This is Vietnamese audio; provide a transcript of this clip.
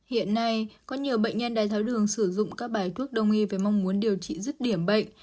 hiện nay có nhiều bệnh nhân đài tháo đường sử dụng các bài thuốc đồng nghi về mong muốn điều trị dứt điểm bệnh